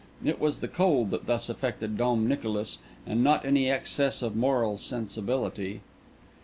It was the cold that thus affected Dom Nicolas, and not any excess of moral sensibility.